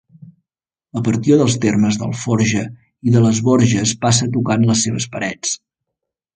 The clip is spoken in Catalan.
La partió dels termes d'Alforja i de les Borges passa tocant les seves parets.